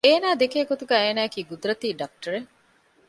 އޭނާ ދެކޭ ގޮތުގައި އޭނާއަކީ ގުދުރަތީ ޑަކުޓަރެއް